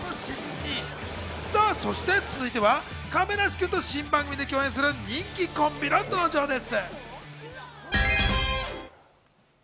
そして続いては亀梨くんと新番組で共演する人気コンビの登場です。